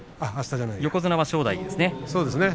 横綱は正代ですね。